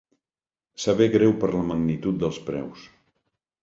Saber greu per la magnitud dels preus.